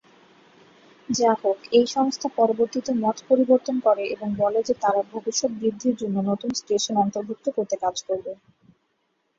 যাহোক, এই সংস্থা পরবর্তীতে মত পরিবর্তন করে এবং বলে যে তারা ভবিষ্যৎ বৃদ্ধির জন্য নতুন স্টেশন অন্তর্ভুক্ত করতে কাজ করবে।